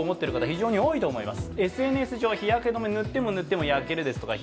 非常に多いと思います。